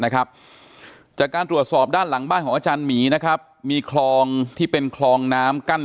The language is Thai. ตัวจากตัวด้านหลังบ้างของอาจารย์หมีนะครับมีคลองที่เป็นคลองน้ำกั้นกัน